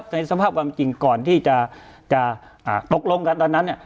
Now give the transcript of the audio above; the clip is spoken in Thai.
ในสภาพที่ก่อนที่จะตกลงกันตอนนั้น